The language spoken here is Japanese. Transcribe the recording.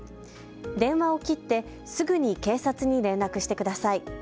電話を切ってすぐに警察に連絡してください。